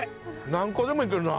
何個でもいけるな。